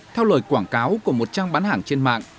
theo lời quảng cáo của một trang bán hàng trên mạng